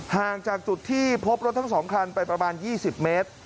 ห่างจากจุดที่พบรถทั้ง๒คันไปประมาณ๒๐เมตร